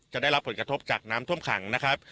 จะได้รับผลกระทบจากน้ำท่วมขังนะครับ